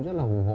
rất là hù hộ